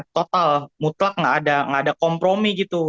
total mutlak gak ada kompromi gitu